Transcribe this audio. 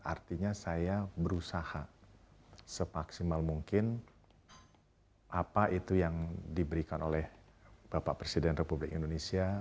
artinya saya berusaha semaksimal mungkin apa itu yang diberikan oleh bapak presiden republik indonesia